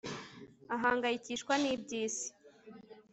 ahangayikishwa n'iby'isi